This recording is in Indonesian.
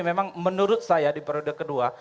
memang menurut saya di periode kedua